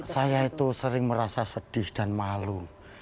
saya itu sering merasa sedih dan malu